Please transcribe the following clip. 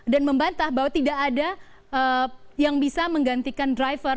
dan membantah bahwa tidak ada yang bisa menggantikan driver